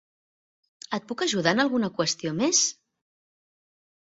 Et puc ajudar en alguna qüestió més?